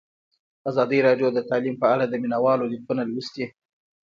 ازادي راډیو د تعلیم په اړه د مینه والو لیکونه لوستي.